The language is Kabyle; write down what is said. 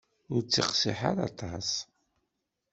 Ur ttiqsiḥ ara aṭas.